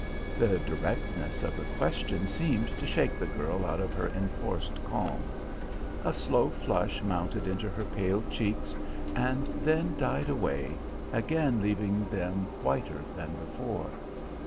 The directness of the question seemed to shake the girl out of her enforced calm. A slow flush mounted into her pale cheeks and then died away, again leaving them whiter than before.